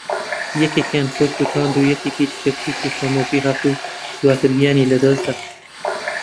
یەکێکیان خۆی سوتاند و یەکێکی دیکەش تووشی خەمۆکی هات و دواتر گیانی لەدەستدا